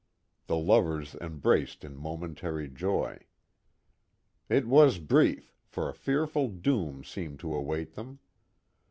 The lovers embraced in momentary joy. It was brief, for a fearful doom seemed to await them.